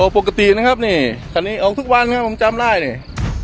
ปกตินะครับขนนี้ออกทุกวันผมจำได้